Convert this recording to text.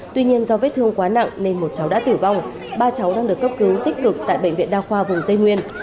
tuy nhiên do vết thương quá nặng nên một cháu đã tử vong ba cháu đang được cấp cứu tích cực tại bệnh viện đa khoa vùng tây nguyên